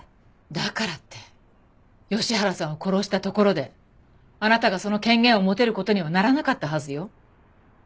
だからって吉原さんを殺したところであなたがその権限を持てる事にはならなかったはずよ。